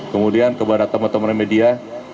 kemudian kepada teman teman media